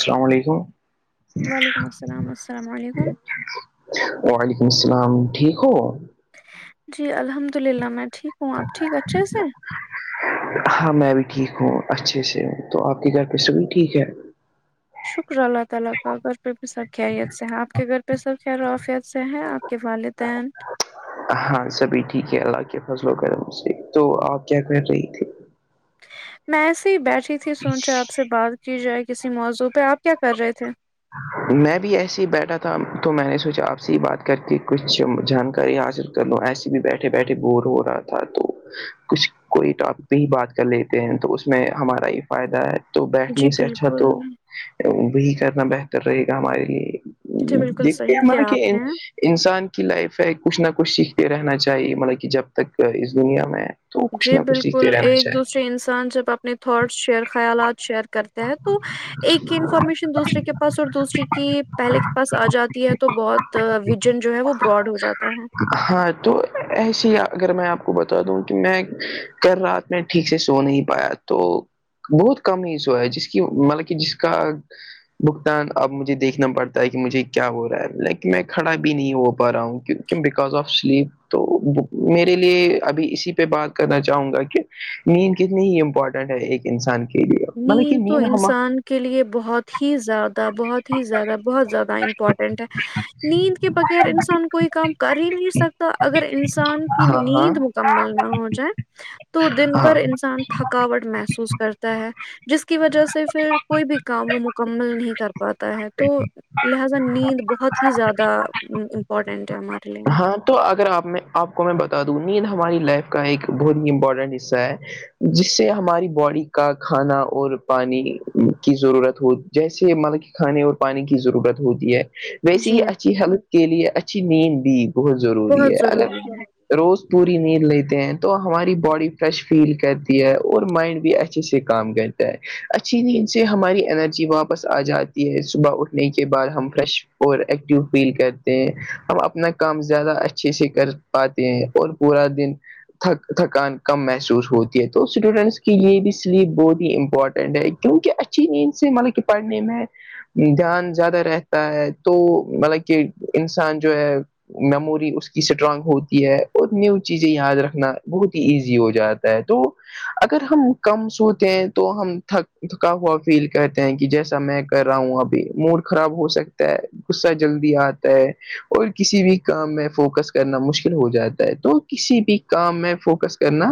السلام علیکم وعلیکم السلام السلام علیکم وعلیکم السلام ٹھیک ہو جی الحمد للہ میں ٹھیک ہوں آپ ٹھیک اچھے سے ہاں میں بھی ٹھیک ہوں اچھے سے ہوں تو آپ کے گھر پہ سبھی ٹھیک ہے شکر اللہ تعالی کا گھر پہ بھی سب خیریت سے ہیں آپ کے گھر پہ سب خیر و عافیت سے ہیں آپ کے والد دین ہاں سبھی ٹھیک ہے اللہ کے فضل و کرم سے تو آپ کیا کر رہی تھی میں ایسے ہی بیٹھی تھی سوچا آپ سے بات کی جائے کسی موضوع پہ آپ کیا کر رہے تھے میں بھی ایسے ہی بیٹھا تھا تو میں نے سوچا آپ سے ہی بات کرکے کچھ جانکاری حاصل کر لو ایسے بھی بیٹھے بیٹھے بور ہو رہا تھا تو کچھ کوئی ٹاپک ہی بات کر لیتے ہیں تو اس میں ہمارا ہی فائدہ ہے تو جی بیٹھنے سے اچھا تو بالکل وہی کرنا بہتر رہے گا ہمارے لیے جی بالکل دیکھتے صحیح ہیں ناں کیا کہ آپ نے انسان کی لائف ہے کچھ نہ کچھ سیکھتے رہنا چاہیے مطلب کہ جب تک اس دنیا میں تو کچھ جی نہ کچھ بالکل سیکھتے رہنا ایک چاہیے دوسرے انسان جب اپنے تھوٹس شیئر خیالات شیئر کرتے تو ایک انفارمیشن دوسرے کے پاس اور دوسری کی پہلے کے پاس آجاتی ہے تو بہت ویژن جو ہے وہ براڈ ہوجاتا ہے ہاں تو ایسی اگر میں آپ کو بتادوں کہ میں کل را میں ٹھیک سے سو نہیں پایا تو بہت کم ہی سویا جس کی بلکہ جس کا بگتان اب مجھے دیکھنا پڑتا ہے کہ مجھے کیا ہو رہا ہے لیکن میں کھڑا بھی نہیں ہو پا رہا ہوں بکاز آف سلپ تو میرے لیے ابھی اسی پہ بات کرنا چاہوں گا کہ نیند کتنی ہی امپورٹن ایک انسان کے لیے مطلب کہ تو نیند ہما انسان کے لیے بہت ہی زیادہ بہت ہی زیادہ بہت زیادہ امپورٹنٹ ہے نیند کے بغیر انسان کوئی کام کر ہی نہیں سکتا اگر انسان کی ہاں ہاں نیند مکمل نہ ہو جائے تو دن ہاں بھر انسان تھک تھکاوٹ محسوس کرتا ہے جس کی وجہ سے پھر کوئی بھی کام وہ مکمل نہیں کر پاتا ہے تو لہذا نیند بہت ہی زیادہ امپورٹینٹ ہے ہمارے لیے ہاں تو اگر آپ میں آپ کو میں بتادوں میں ہماری لائف کا ایک بہت ہی امپورٹنٹ حصہ ہے جس سے ہماری باڈی کا کھانا اور پانی کی ضرورت ہو جیسے مطلب کھانے اور پانی کی ضرورت ہوتی ہے ویسے ہی جی اچھی [unintelligible] کے لیے اچھی نیند بھی بہت ضروری ہے بہت ضروری ہے اگر روز پوری نیند لیتے ہیں تو ہماری باڈی فریش فیل کرتی ہے اور مائنڈ بھی اچھ چھے سے کام کرتا ہے اچھی نیند سے ہماری انرجی واپس آ جاتی صبح اٹھنے کے بعد ہم فریش اور ایکٹیو فیل کرتے ہیں ہم اپنا کام زیادہ اچھے سے کر پاتے ہیں اور پورا دن تھک تھکان کم محسوس ہوتی ہے تو اسٹوڈنٹس کی یہ بھی سلیپ بہت ہی امپورٹنٹ ہے کہ کہ اچھی نیند سے مطلب کہ پڑھنے میں دھیان زیادہ رہتا ہے تو مطلب کہ انسان جو ہے میموری اس کی اسٹرانگ ہوتی ہے اور نیو چیزیں یاد رکھنا بہت ہی ایزی ہو جاتا ہے تو اگر ہم کم سوتے ہیں تو ہم تھک تھکا ہوا فیل کرتے ہیں کہ جیسا میں کر رہا ہوں ابھی موڈ خراب ہو سکتا ہے غصہ جلدی آتا ہے اور کسی بھی کام میں فوکس کرنا مشکل ہو جاتا ہے تو کسی بھی کام میں فوکس کرنا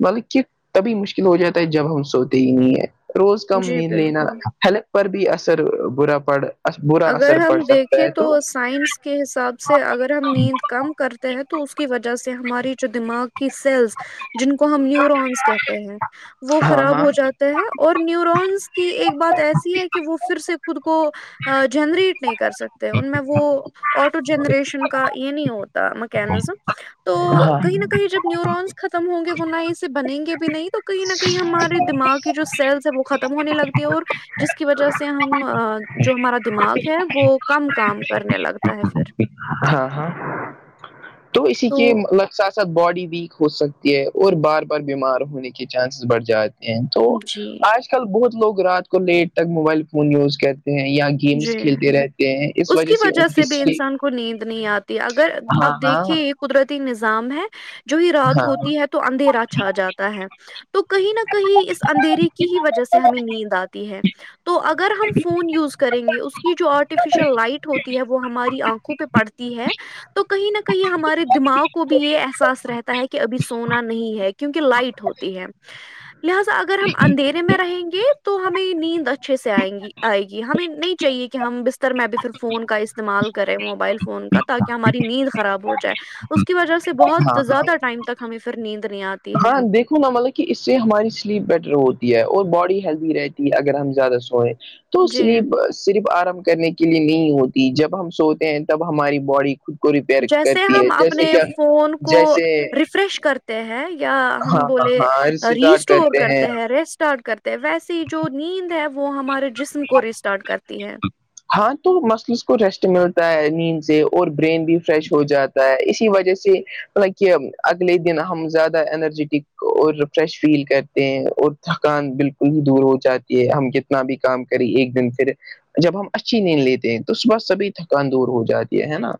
مطلب کہ تبھی مشکل ہو جاتا ہے جب ہم سوتے ہی نہیں ہے روز کم جی نیند لینا بالکل ہیلتھ پر بھی اثر برا پڑ برا اگر اثر پڑ ہم سکتا دیکھیں ہے تو سائنس کے حساب سے اگر ہم نیند کم کر تے ہیں تو اس کی وجہ سے ہماری جو دماغ کی سیلس جن کو ہم نیورونس کہتے ہیں وہ ہاں خراب ہاں ہو جات تا اور نیورونس کی ایک بات ایسی ہے کہ وہ پھر سے خود کو جنریٹ نہیں کرسکتے ان میں وہ آٹو جنریشن کا یہ نہیں ہوتا میکانزم ہاں کہیں جب نیورونس ختم ہوں گے وہ نئے سے بنیں گے بھی نہیں تو کہیں نہ کہیں ہمارے دماغ کے جو سیلس ہے وہ ختم ہونے لگتی ہے اور جس کی وجہ سے ہم جو ہمارا دماغ ہے وہ کم کام کرنے لگتا ہے پھر ہاں ہاں تو اسی کے مطلب ساتھ ساتھ باڈی ویک ہوسکتی ہے اور بار بار بیمار ہونے کے چانسز بڑھ جات تو جی آج کل بہت لوگ رات کو لیٹ تک موبائل فون یوز کرتے ہیں یا گے گیمس جی کھیلتے رہتے ہیں اس وجہ سے ان کی سلپ کو نیند نہیں آتی اگر آپ ہاں دیکھیے یہ قدرتی نظام ہے جوں ہی رات ہاں ہوتی ہے تو اندھیرا چھا جاتا ہے تو کہیں نہ کہیں اس اندھیرے کی ہی وجہ سے ہمیں نیند آتی ہے تو اگر ہم فون یوز کریں گے اس کی جو آرٹیفیشیل لائٹ ہوتی ہے وہ ہماری آنکھوں پہ پڑتی ہے تو کہیں نہ کہیں ہمارے دماغ کو بھی یہ احساس رہتا ہے کہ ابھی سونا نہیں ہے کیونکہ لائٹ ہوتی ہے لہذا اگر ہم اندھیرے میں رہیں گے تو ہمیں نیند اچھے سے آئیں گی آئے گی ہمیں نہیں چاہیے کہ ہم بستر میں ابھی پھر فون کا استعمال کریں موبائل فون کا تاکہ ہماری نیند خراب ہوجائے اس کی وجہ سے بہت ہاں ہاں زیادہ ٹائم تک ہمیں پھر نیند نہیں آتی ہے ہاں دیکھو نہ ملک کہ اس سے ہماری سلیپ بیٹر ہوتی ہے اور باڈی ہیلتھی رہتی ہے اگر ہم زیادہ سوئیں تو جی سلیپ صرف آرام کرنے کے لیے نہیں ہوتی جب ہم سوتے ہیں تب ہماری باڈی خود کو ریپیئر جیسے کرتی ہے ہم جیسے اپنے کے آ فون کو ریفریش کرت ہیں یا ہم ہاں ہاں بولے ہاں اسٹارٹ ریسٹور کرتے ہیں ریسٹارٹ کرتے ویسے جو نیند ہے وہ ہمارے جسم کو ریسٹارٹ کرتی ہے ہاں تو مسلز کو ریسٹ ملتا ہے نیند سے اور برین بھی فریش ہو جاتا ہے اسی وجہ سے لائک اگلے دن ہم زیادہ انرجیٹک اور فریش فیل کرتے ہیں اور تھکان بالکل ہی دور ہو جاتی ہے ہم کتنا بھی کام کری ایک دن پھر جب ہم اچھی نیند لیتے ہیں تو صبح سبھی تھکان دور ہو جاتی ہے نا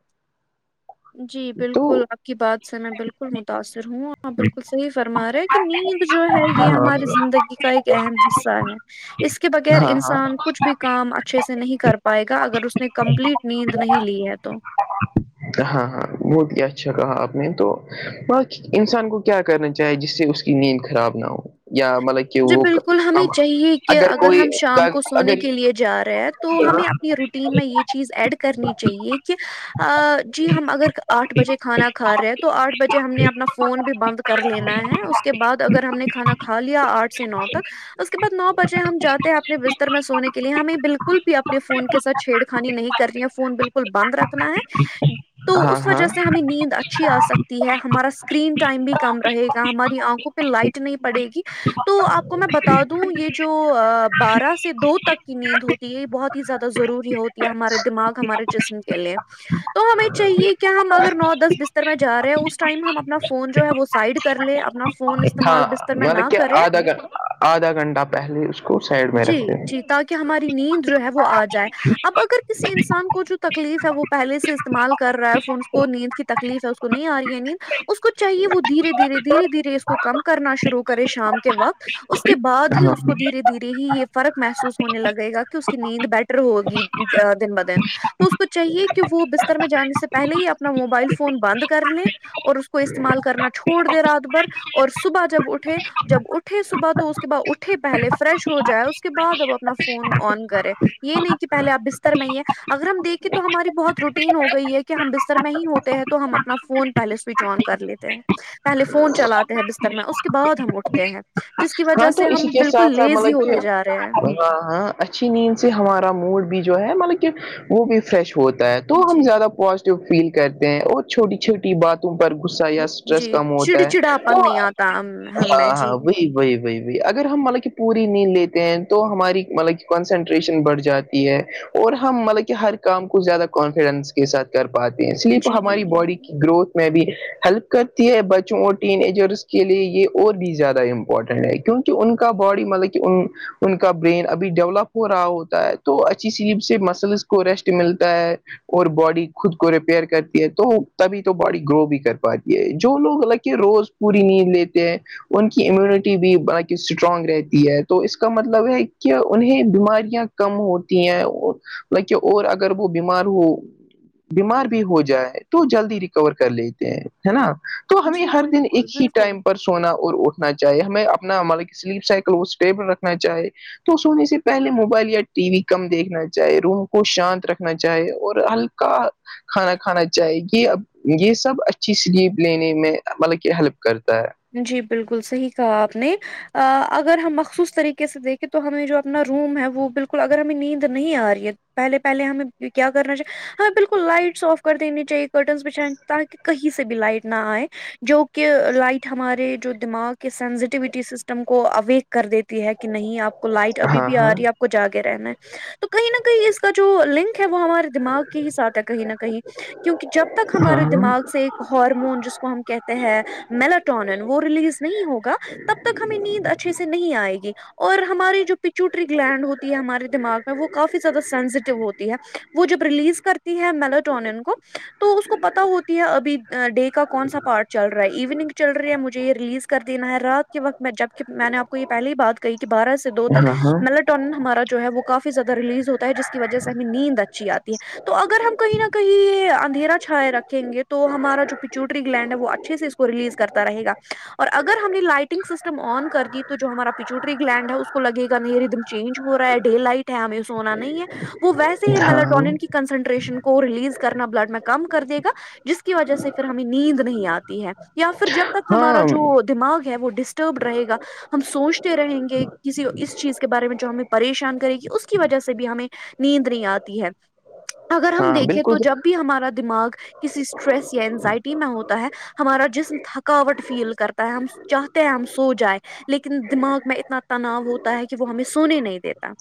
جی تو بالکل آپ کی بات سے میں بالکل متاثر ہوں ہاں بالکل صحیح فرما رہا ہے کہ نیند جو ہے ہاں یہ ہماری زندگی کا ایک اہم حصہ ہے اس کے بغیر ہاں ہاں انسان کچھ بھی کام اچھے سے نہیں کر پائے گا اگر اس نے کمپلیٹ نیند نہیں لی ہے تو ہاں ہاں بہت ہی اچھا کہا آپ نے تو انسان کو کیا کرنا چاہے جس سے اس کی نیند خراب نہ ہو یا مطلب کہ جی وہ بالکل ہمیں کم چاہیے کہ اگر ہم شام کو سونے اگر کے لیے جا رہے ہیں تو ہمیں اپنی رو ٹین یہ چیز ایڈ کرنی چاہے کہ جی ہم ا آٹھ بجے کھانا کھار ے ہیں تو آٹھ بجے ہم نے اپنا فون بھی بند کر لینا ہے اس کے بعد اگر ہم نے کھانا کھا لیا آٹھ سے نو تک اس کے بعد نو بجے ہم جاتے ہیں اپنے بستر میں سونے کے لیے ہمیں بالکل بھی اپنے فون کے سچ چھیڑ خانی نہیں کر ریو فون بالکل بند رکھنا ہے تو اس ہاں ہاں وجہ سے ہمیں نیند اچھی آ سکتی ہے ہمارا اسکرین ٹائم بھی کم رہے گا ہماری آنکھوں پہ لائٹ نہیں پڑے گی تو آپ کو میں بتا دوں یہ جو بارہ سے دو تک کی نیند ہوتی ہے یہ بہت زیادہ ضروری ہوتی ہے ہمارے دماغ ہمارے جسم کے لیے تو ہمیں چاہیے کیا ہم اگر نو دس بستر میں جا رہے ہیں اس ٹائم ہم اپنا فون جو ہے وہ سائڈ کر لے اپنا فون ہاں استعمال بستر میں نہ مطلب کہ کریں آدھا گھ آدھا گھنٹہ پہلے کو سائڈ میں جی رکھتے ہیں. جی تاکہ ہماری نیند جو ہے وہ آ جائے اب اگر کسی انسان کو جو تکلیف ہے وہ پہلے سے استعمال کر رہا ہے فون اس کو نیند کی تکلیف ہے اس کو نہیں آ رہی ہے نیند اس کو چاہیے وہ دھیرے دھیرے دھیرے دھیرے اس کو کم کرنا شروع کرے شام کے وقت اس کے بعد ہی ہاں اس کو دھیرے دھیرے ہی یہ فرق محسوس ہونے لگے گا کہ اس کی نیند بیٹر ہوگی دن ب دن تو اس کو چاہیے کہ وہ بستر میں جانے سے پہلے ہی اپنا موبائل فون بند کر لیں اور اس کو استعمال کرنا چھوڑ دے رات بھر اور صبح جب اٹھے جب اٹھ ے صبح تو اس کے بعد اٹھے پہلے فریش ہو جائے اس کے بعد اب اپنا فون آن کرے یہ نہیں کہ پہلے آپ بستر میں ہی ہیں اگر ہم دیکھیں تو ہماری بہت روٹین ہو گئی ہے کہ ہم بستر میں ہی ہوتے ہیں تو ہم اپنا فون پہلے سوئچ آن کر لیتے ہیں پہلے فون چلاتے ہیں بستر میں اس کے بعد ہم اٹھتے ہیں جس کی ہاں وجہ تو سے اسی ہم کے بالکل ساتھ ساتھ لیزی مطلب کہ ہوتے جا رہے ہیں ہمیں ہاں ہاں اچھی نیند سے ہمارا موڈ بھی جو ہے مطلب کہ وہ بھی فریش ہوتا ہے تو ہم جی زیادہ پازیٹیو فیل کرتے ہیں اور چھوٹی چھوٹی بات تم پر غصہ یا اسٹریس جی کم ہوتا ہے چڑچڑاپن نہیں آتا ہم ہاں ہمیں ہاں جی وہی وہی ب بائی اگر ہم ملب کہ پوری نیند لیتے ہیں تو ہماری ملب کہ کنسنٹریشن بڑھ جاتی ہے اور ہم ملب کہ ہر کام کو زیادہ کانفیڈنس کے ساتھ کر پاتے ہیں اسلیپ جی ہماری باڈی گروتھ میں بھی ہیلپ کرتی ہے بچوں اور ٹین ایجرس کے لیے یہ اور بھی زیادہ امپورٹنٹ کیونکہ ان کا باڈی ملب کہ ان ان کا برین ابھی ڈیولپ ہو رہا ہوتا ہے تو اچھی سیلیپ سے مسلس کو ریسٹ ملتا ہے اور باڈی خود کو ریپیئر کرتی ہے تو تبھی تو باڈی گرو بھی کر پاتی ہے جو لوگ ہلاکہ روز پوری نیند لیتے ہیں ان کی امیونٹی بھی بق اسٹرانگ رہتی ہے تو اس کا مطلب ہے کہ انہیں بیماریاں کم ہوتی ہیں لط کہ اور اگر وہ بیمار ہو بیمار بھی ہو جائے تو جلدی ریکور کر لیتے ہیں ہے نا تو ہمیں جی ہر دن بالکل ایک ہی بالکل ٹائم پر سونا اور اٹھنا چ چاہے ہمیں اپنا ملب سلیپ سائیکل کو اسٹیبل رکھنا چاہے تو سونے سے پہلے موبائل یا ٹی وی کم دیکھنا چاہے روم کو شانت رکھنا چاہے اور ہل کا کھانا کھانا چاہیے یہ اب یہ سب اچھی سلیپ لینے میں مطلب کہ ہیلپ کرتا ہے جی بالکل صحیح کہا آپ نے اگر ہم مخصوص طریقے سے دیکھیں تو ہمیں جو اپنا روم ہے وہ بالکل اگر ہمیں نیند نہیں آ رہی ہے پہلے پہلے ہمیں کیا کرنا چ ہاں بالکل لائٹس آف کر دینی چاہیے کرٹنس بچھ تاکہ کہیں سے بھی لائٹ نہ آئے جو کہ لائٹ ہمارے جو دماغ کے سینسٹیوٹی سسٹم کو اویک کر دیتی ہے کہ نہیں آپ کو لائٹ ہے ابھی ہاں بھی آ ہاں رہی ہے آپ کو جاگے رہنا ہے تو کہیں نہ کہیں اس کا جو لنک ہے وہ ہمارے دماغ کے ہی ساتھ ہے کہیں نہ کہیں کیونکہ جب تک ہمارے ہاں دماغ سے ایک ہارمون جس کو ہم کہتے ہیں مل ٹونین وہ ریلیز نہیں ہوگا تب تک ہمیں نیند اچھے سے نہیں آئے گی اور ہماری جو پچوٹری گلینڈ ہوتی ہے ہمارے دماغ میں وہ کافی زیادہ سینسیٹیو ہوتی ہے وہ جب ریلیز کرتی ہے ملٹون کو تو اس کو پتا ہوتی ہے ابھی ڈے کا کون سا پار چل رہا ایوننگ چل رہی ہے مجھے یہ ریلیز کر دین ہے رات کے وقت میں جبک میں نے آپ کو یہ پہلی ہی بات کہی کہ بارہ سو دو ہاں تک ہاں ہاں میلیٹون ہمارا جو ہے وہ کافی زیادہ ریلیز ہوتا ہے جس کی وجہ سے ہمیں نیند اچھی آتی ہے تو اگر ہم کہیں نہ کہیں یہ اندھیرا چھائے رکھ کھیں گے تو ہمارا جو پچوٹری گلینڈ ہے وہ اچھے سے اس کو ریلیز کرتا رہے گا اور اگر ہم نے لائٹنگ سسٹم آن کر دی تو جو ہمارا پچوٹری گلینڈ ہے اس کو لگے گ نہیں ر چینج ہو رہا ہے ڈے لائٹ ہے ہمیں سونا نہیں ہے وہ ویسے ہی ہاں ملٹرن کی کنسنٹریشن کو ریلیز کرنا بلڈ میں کم کر دے گا جس کی وجہ سے پھر ہمیں نیند نہیں آتی ہے یا پھر جب تک ہمارا ہاں جو دماغ ہے وہ ڈسٹربڈ رہے گا ہم سوچتے رہیں گے کسی اس چیز کے بارے میں جو ہمیں پریشان کرے گی اس کی وجہ سے بھی ہمیں نیند نہیں آتی ہے اگر ہم ہاں دیکھیں تو بالکل جب بھی ہمارا دماغ کسی اسٹریس یا انزائٹی میں ہوتا ہے ہمارا جسم تھک تھکاوٹ فیل کرتا ہے ہم چاہتے ہیں ہم سو جائے لیکن دماغ میں اتنا تناؤ ہوتا ہے کہ وہ ہمیں سونے نہیں دیتا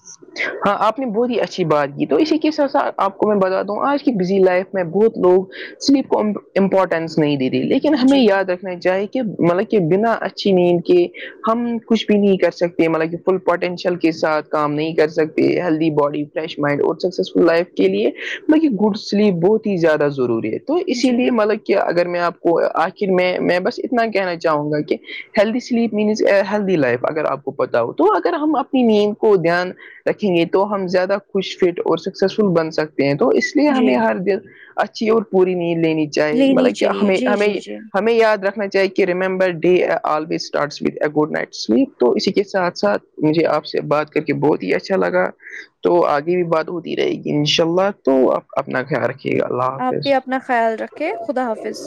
ہاں آپ نے بہت ہی اچھی بات کی تو اسی کے ساتھ ساتھ آپ کو میں بتاتا ہوں آج کی بزی لائف میں بہت لوگ سلیپ کو امپورٹینس نہیں دے رہی لیکن ہمیں جی یاد رکھ چاہی کہ مطلب کہ بنا اچھی نیند کے ہم کچھ بھی نہیں کر سکتے مطلب کہ فل پوٹینشل کے ساتھ کام نہیں کر سک ہیلدی باڈی فریش مائنڈ اور سکسیزفل لائف کے لیے بلکہ گڈ سلیپ بہت ہی زیادہ ضروری ہے تو اسی جی لیے مطلب کہ اگر میں آپ کو آخر میں میں بس اتنا کہنا چاہوں گا کہ healthy sleep means healthy life اگر آپ کو پتہ ہو تو اگر ہم اپنی نیند کو دھیان رکھیں گے تو ہم زیادہ خوش فٹ اور سکسیسفل بن سکتے ہیں تو اس لیے جی ہمیں ہر دن اچھی اور پوری نیند لینی چاہیے لینی مطلب کہ چاہیے ہمیں جی ہمیں جی جی ہمیں یاد رکھنا چاہیے remember day always starts with a good night sleep تو اسی کے ساتھ ساتھ مجھے آپ سے بات کر کے بہت ہی اچ اچھا لگا تو آگے بھی بات ہوتی رہے گی ان شاء اللہ تو آپ اپنا خیال رکھ ٹھیک ہے اللہ آپ بھی حافظ اپنا خیال رکھے خدا حافظ